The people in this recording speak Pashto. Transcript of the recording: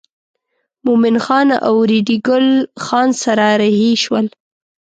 مومن خان او ریډي ګل خان سره رهي شول.